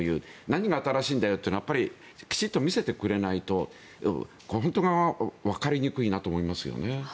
何が新しいんだろうというのをきちんと見せてくれないとわかりづらいと思いますね。